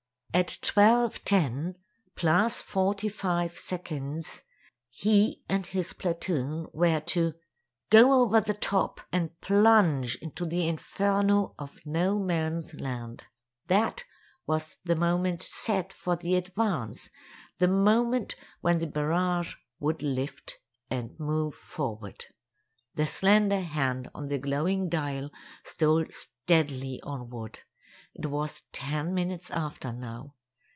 At twelve ten plus forty five seconds, he and his platoon were to "go over the top" and plunge into the inferno of No Man's Land. That was the moment set for the advance—the moment when the barrage would lift and move forward. The slender hand on the glowing dial stole steadily onward. It was ten minutes after now.